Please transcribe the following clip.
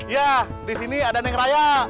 ya disini ada neng raya